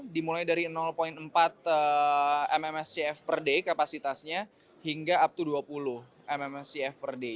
dimulai dari empat mm scf per day kapasitasnya hingga up to dua puluh mm scf per day